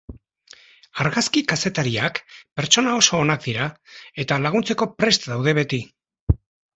Argazki-kazetariak pertsona oso onak dira, eta laguntzeko prest daude beti.